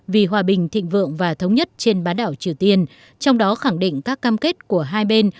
vì hòa bình thịnh vượng và thống nhất trên bán đảo triều tiên trong đó khẳng định các cam kết của hai bên